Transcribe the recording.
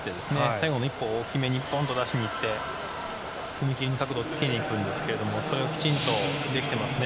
最後の１歩を大きめにドン！と出しにいって踏み切りの角度をつけにいくんですけどそれをきちんとできていますね。